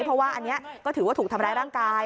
เพราะว่าอันนี้ก็ถือว่าถูกทำร้ายร่างกาย